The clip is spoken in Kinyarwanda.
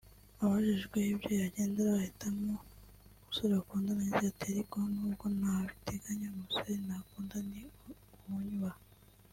Abajijwe ibyo yagenderaho ahitamo umusore bakundana yagize ati “Ariko n’ubwo nta biteganya umusore nakunda ni unyubaha